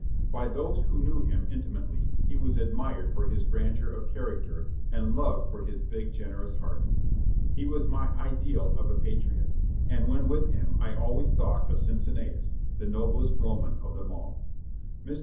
By those who knew him intimately he was admired for his grandeur of character and loved for his big. gen erous heart. He was my ideal of a patriot, and when with him T always thought of Cincinnatus, the noblest Roman of them all. Mr.